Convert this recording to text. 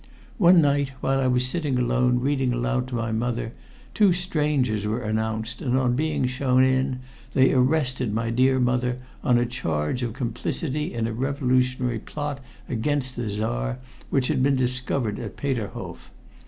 One night, while I was sitting alone reading aloud to my mother, two strangers were announced, and on being shown in they arrested my dear mother on a charge of complicity in a revolutionary plot against the Czar which had been discovered at Peterhof.